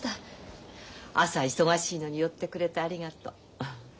朝忙しいのに寄ってくれてありがとう。